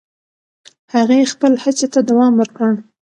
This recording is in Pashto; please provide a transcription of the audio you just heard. هغې خپل هڅې ته دوام ورکړ.